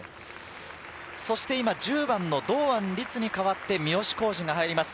そして今１０番の堂安律に代わって三好康児が入ります。